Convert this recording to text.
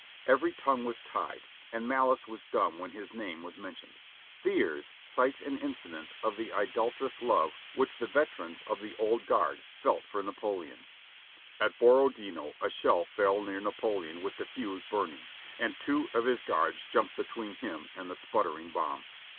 Every tongue was tied, and malice was dumb when his name was mentioned. Thiers cites an incident of the idolatrous love which the vet erans of the Old Guard felt for Napoleon : "At Borodino a shell fell near Napoleon with the fuse burning, and two of his guards jumped between him and the sputtering bomb."